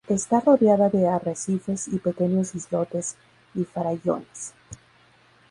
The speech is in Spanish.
Está rodeada de arrecifes y pequeños islotes y farallones.